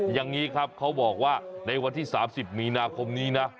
อย่างนี้ครับเขาบอกว่าในวันที่๓๐มีนาคมนี้นะ